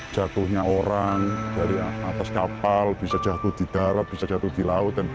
saya tidak bisa judul ketika saya folkspotnya